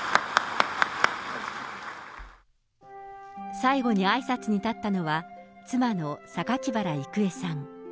最後にあいさつに立ったのは、妻の榊原郁恵さん。